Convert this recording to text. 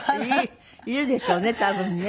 いるでしょうね多分ね。